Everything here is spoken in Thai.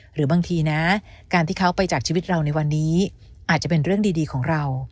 หรือบางทีนะการที่เขาไปจากชีวิตเราในวันนี้อาจจะเป็นเรื่องดีของเรา